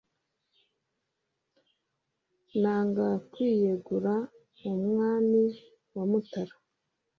Nanga kwiyegura umwami wa Mutara